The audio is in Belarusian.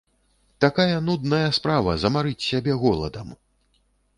Такая нудная справа, замарыць сябе голадам!